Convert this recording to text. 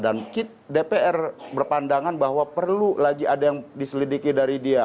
dan dpr berpandangan bahwa perlu lagi ada yang diselidiki dari dia